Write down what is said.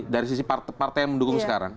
dari sisi partai yang mendukung sekarang